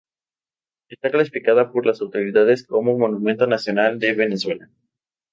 Esta clasificado por las autoridades como un Monumento Nacional de Venezuela.